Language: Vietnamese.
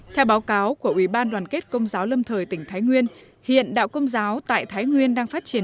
theo báo cáo của ubndcvn tỉnh thái nguyên hiện đạo công giáo tại thái nguyên đang phát triển